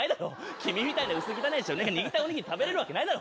君みたいな薄汚い人が握ったお握り、食べれるわけないだろ。